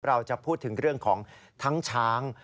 เราจะพูดถึงเรื่องของทั้งช้าง